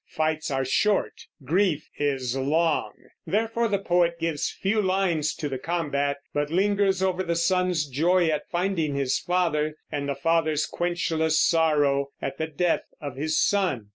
Fights are short; grief is long; therefore the poet gives few lines to the combat, but lingers over the son's joy at finding his father, and the father's quenchless sorrow at the death of his son.